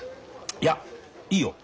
いやいいよ。